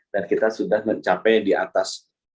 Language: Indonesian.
dan kita sudah mencapai di atas